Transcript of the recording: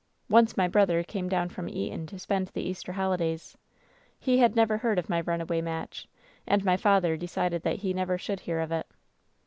"Once my brother came down from Eton to spend the Easter holidays. He had never heard of my run away match, and my father decided that he never should hear of it.